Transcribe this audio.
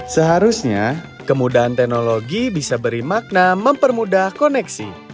seharusnya kemudahan teknologi bisa beri makna mempermudah koneksi